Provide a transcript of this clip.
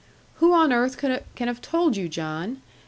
'Who on earth can have told you, John?